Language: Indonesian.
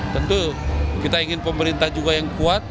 tentu kita ingin pemerintah juga yang kuat